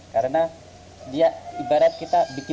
karena dia ibarat kita bikin